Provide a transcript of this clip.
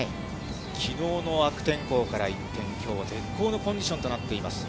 きのうの悪天候から一転、きょうは絶好のコンディションとなっています。